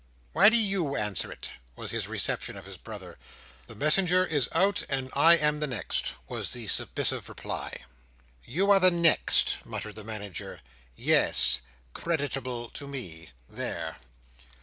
"Why do you answer it?" was his reception of his brother. "The messenger is out, and I am the next," was the submissive reply. "You are the next?" muttered the Manager. "Yes! Creditable to me! There!"